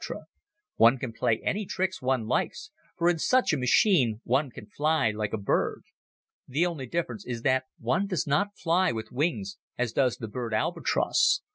One can play any tricks one likes, for in such a machine one can fly like a bird. The only difference is that one does not fly with wings, as does the bird albatros.